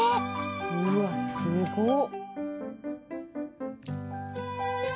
うわすごっ！